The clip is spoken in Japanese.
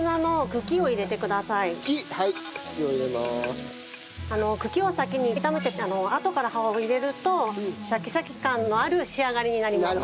茎を先に炒めてあとから葉を入れるとシャキシャキ感のある仕上がりになります。